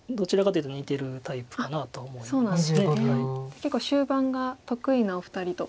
結構終盤が得意なお二人と。